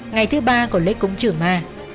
ngày thứ ba của lễ cúng trừ ma